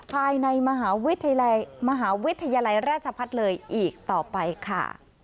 ภายในมหาวิทยาลัยราชพัดเลยอีกต่อไปค่ะ